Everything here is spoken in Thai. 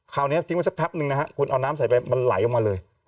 คราวนี้ทิ้งมาสักทับหนึ่งนะฮะคุณเอาน้ำใส่ไปมันไหลออกมาเลย